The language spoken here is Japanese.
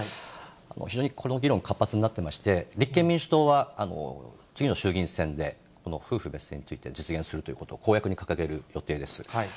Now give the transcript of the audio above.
非常にこの議論、活発になってまして、立憲民主党は次の衆議院選で、この夫婦別姓について実現するということを公約に掲げる予定です。